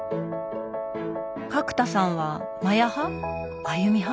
角田さんはマヤ派？